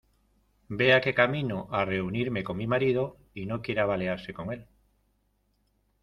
vea que camino a reunirme con mi marido y no quiera balearse con él.